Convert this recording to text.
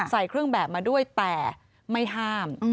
ใส่เครื่องแบบมาด้วยแต่ไม่ห้าม